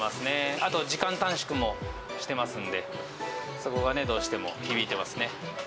あと時間短縮もしてますんで、そこがどうしても響いてますね。